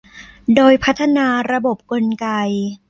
โดยพัฒนาระบบกลไก